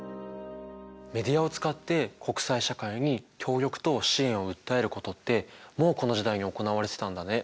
メディアを使って国際社会に協力と支援を訴えることってもうこの時代に行われてたんだね。